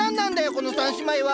この３姉妹は！